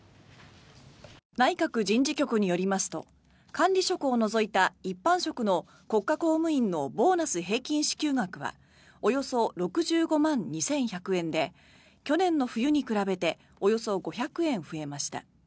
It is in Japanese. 内閣人事局によりますと管理職を除いた一般職の国家公務員のボーナス平均支給額はおよそ６５万２１００円で去年の冬に比べておよそ５００円増えました。